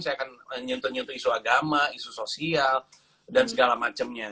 saya akan nyentuh nyentuh isu agama isu sosial dan segala macamnya